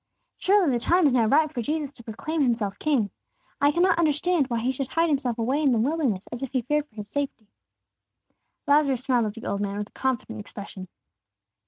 Surely the time is now ripe for Jesus to proclaim Himself king. I cannot understand why He should hide Himself away in the wilderness as if He feared for His safety." Lazarus smiled at the old man, with a confident expression.